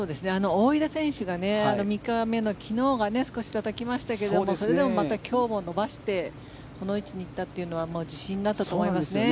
大出選手が３日目の昨日が少したたきましたがそれでも今日も伸ばしてこの位置に行ったというのは自信になったと思いますね。